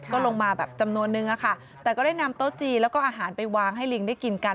ก็ลงมาแบบจำนวนนึงอะค่ะแต่ก็ได้นำโต๊ะจีนแล้วก็อาหารไปวางให้ลิงได้กินกัน